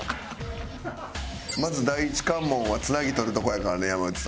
まず第１関門はつなぎ取るとこやからね山内さん。